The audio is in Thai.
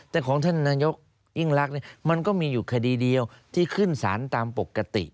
แต่ของท่านนายกยิ่งรักมันก็มีอยู่คดีเดียวที่ขึ้นสารตามปกติ